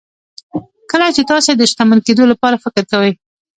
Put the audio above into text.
کله چې تاسې د شتمن کېدو لپاره فکر کوئ.